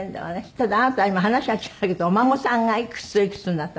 ただあなた今話が違うけどお孫さんがいくつといくつになったんですって？